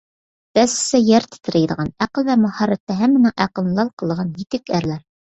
دەسسىسە يەر تىترەيدىغان، ئەقىل ۋە ماھارەتتە ھەممىنىڭ ئەقلىنى لال قىلىدىغان يېتۈك ئەرلەر